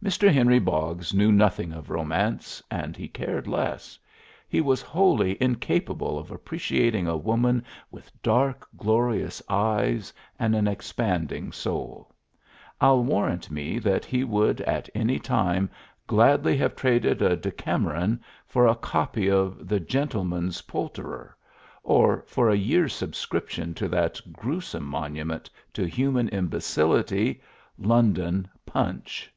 Mr. Henry Boggs knew nothing of romance, and he cared less; he was wholly incapable of appreciating a woman with dark, glorious eyes and an expanding soul; I'll warrant me that he would at any time gladly have traded a "Decameron" for a copy of "The Gentleman Poulterer," or for a year's subscription to that grewsome monument to human imbecility, London "Punch."